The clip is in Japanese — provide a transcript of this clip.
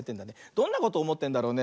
どんなことおもってんだろうね。